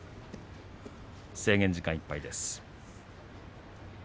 制限時間いっぱいです。